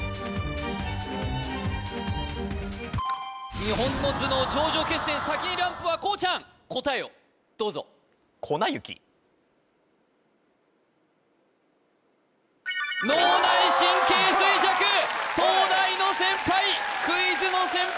日本の頭脳頂上決戦先にランプはこうちゃん答えをどうぞ脳内神経衰弱東大の先輩クイズの先輩